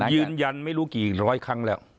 ยืนยันไม่รู้กี่ร้อยครั้งแล้ว